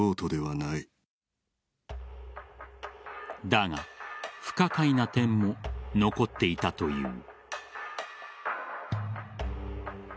だが不可解な点も残っていたという。